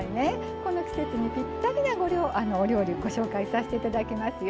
この季節にぴったりのお料理をご紹介させていただきますよ。